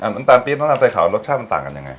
น้ำตาลปี๊บน้ำตาลใส่ขาวรสชาติมันต่างกันยังไง